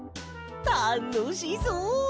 たのしそう！